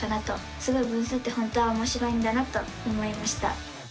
すごい分数って本当はおもしろいんだなと思いました！